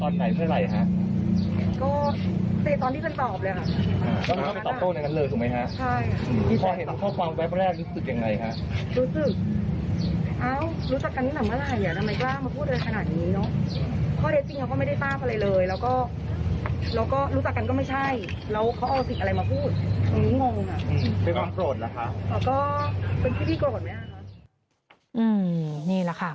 นี่แหละค่ะ